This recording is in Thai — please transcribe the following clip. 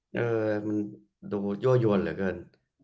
เออมันดูยั่วยวนเหลือเกิน